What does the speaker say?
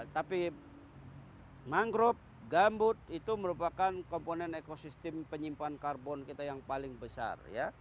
tapi mangrove gambut itu merupakan komponen ekosistem penyimpan karbon kita yang paling besar